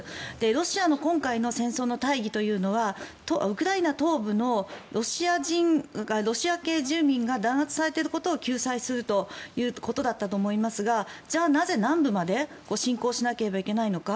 ロシアの今回の戦争の大義というのはウクライナ東部のロシア系住民が弾圧されていることを救済するということだったと思いますがじゃあ、なぜ南部まで侵攻しなければいけないのか。